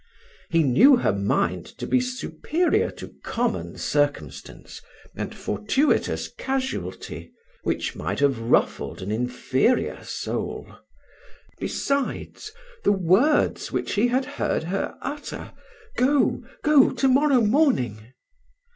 He knew her mind to be superior to common circumstance and fortuitous casualty, which might have ruffled an inferior soul. Besides, the words which he had heard her utter "Go! go! to morrow morning!"